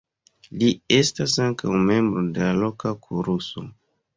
Li estas ankaŭ membro de la loka koruso.